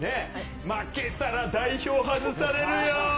負けたら代表外されるよ。